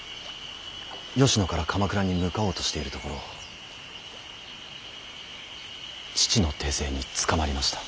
吉野から鎌倉に向かおうとしているところを父の手勢に捕まりました。